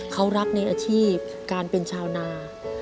เขารักในอาชีพการเป็นชาวนา